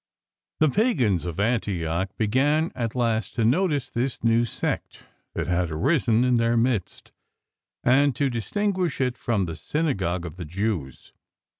■■::^■■: The pagans of Antioch began at last to notice this new sect that had arisen in their midst, and to distinguish it from the syna gogue of the Jew's.